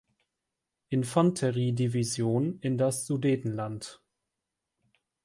Infanterie-Division in das Sudetenland.